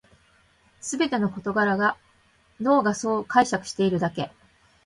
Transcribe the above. すべての事柄は脳がそう解釈しているだけ